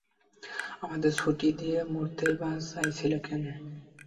আমাদের ছুরি দিয়ে মারতেই বা চাইছিল কেন?